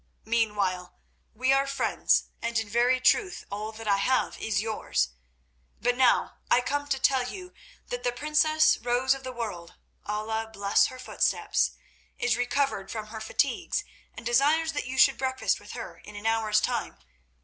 Meanwhile, we are friends, and in very truth all that I have is yours. But now I come to tell you that the princess Rose of the World—Allah bless her footsteps!—is recovered from her fatigues, and desires that you should breakfast with her in an hour's time.